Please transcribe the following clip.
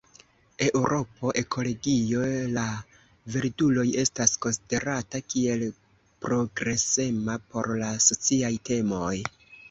Eŭropo Ekologio La Verduloj estas konsiderata kiel progresema por la sociaj temoj.